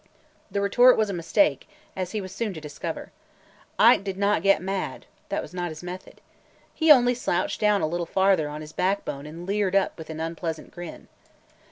The retort was a mistake, as he was soon to discover. Ike did not "get mad"; that was not his method. He only slouched down a little farther on his backbone and leered up with an unpleasant grin.